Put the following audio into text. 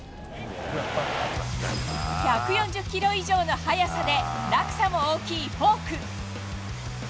１４０キロ以上の速さで、落差も大きいフォーク。